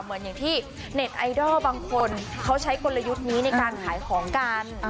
เหมือนอย่างที่เน็ตไอดอลบางคนเขาใช้กลยุทธ์นี้ในการขายของกัน